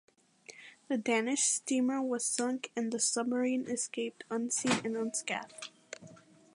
The Danish steamer was sunk and the submarine escaped unseen and unscathed.